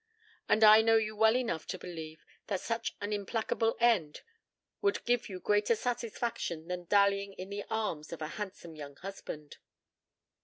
And I know you well enough to believe that such an implacable end would give you greater satisfaction than dallying in the arms of a handsome young husband."